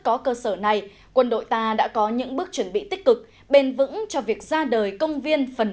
có cơ sở này quân đội ta đã có những bước chuẩn bị tích cực bền vững cho việc ra đời công viên phần